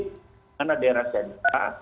dimana daerah sentra